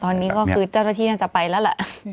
ตอนนี้ก็คือเจ้าหน้าที่น่าจะไปแล้วแหละ